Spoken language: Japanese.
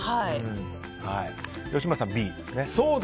吉村さんはＢですね。